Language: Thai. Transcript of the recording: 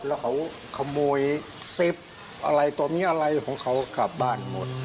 แล้วเขาขโมยเซฟอะไรตอนนี้อะไรของเขากลับบ้านหมด